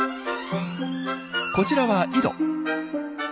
こちらは井戸。